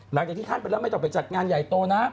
หลังจากที่ท่านไม่ต้องไปการงานใหญ่โตนะ